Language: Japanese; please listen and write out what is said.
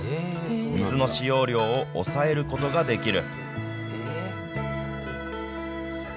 水の使用量を抑えることができる。